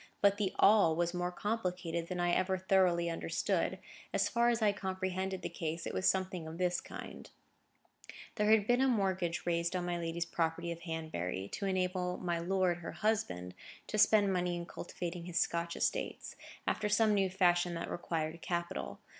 But the "all" was more complicated than I ever thoroughly understood. As far as I comprehended the case, it was something of this kind:—There had been a mortgage raised on my lady's property of Hanbury, to enable my lord, her husband, to spend money in cultivating his Scotch estates, after some new fashion that required capital.